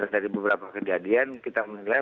dari beberapa kejadian kita menilai